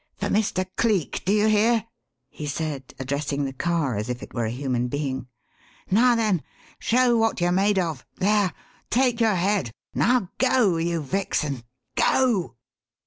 "For Mr. Cleek do you hear?" he said, addressing the car as if it were a human being. "Now, then, show what you're made of! There! Take your head! Now go, you vixen! GO!"